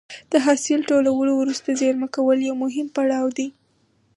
د حاصل ټولولو وروسته زېرمه کول یو مهم پړاو دی.